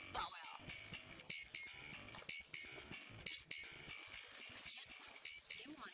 mas tahu nggak